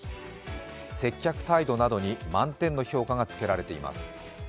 接客態度などに満点の評価がつけられています。